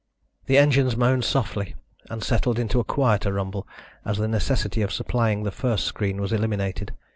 The engines moaned softly and settled into a quieter rumble as the necessity of supplying the first screen was eliminated.